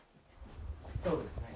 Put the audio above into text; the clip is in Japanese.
そうですね。